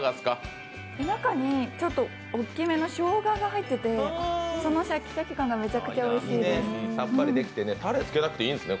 中にちょっと大きめのしょうがが入ってて、そのシャキシャキ感がめちゃくちゃおいしいです。